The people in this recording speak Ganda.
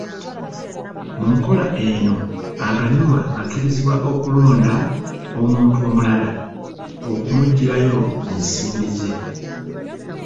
Mu nkola eno aganyulwa akkirizibwa okulonda omuntu omulala okumuggyirayo ensimbi ze.